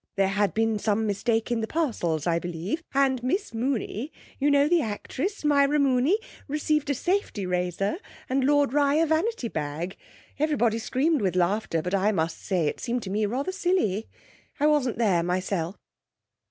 There had been some mistake in the parcels, I believe, and Miss Mooney you know, the actress, Myra Mooney received a safety razor, and Lord Rye a vanity bag. Everybody screamed with laughter, but I must say it seemed to me rather silly. I wasn't there myself.'